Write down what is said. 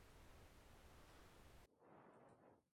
Los adultos probablemente viven alrededor de un año.